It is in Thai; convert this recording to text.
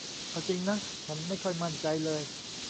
เอาจริงนะ ฉันไม่ค่อยมันใจเลย